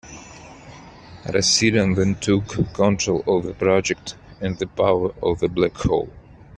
Rassilon then took control of the project, and the power of the black hole.